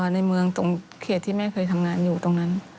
ในเมืองตรงเขตที่แม่เคยทำงานอยู่ตรงนั้น